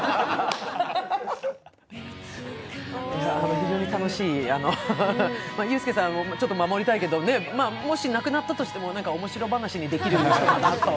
非常に楽しい、ユースケさんを守りたいけどもしなくなったとしても、面白話にできる。